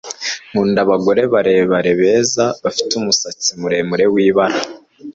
Nkunda abagore barebare beza bafite umusatsi muremure wirabura